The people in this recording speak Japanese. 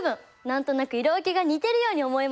何となく色分けが似てるように思います。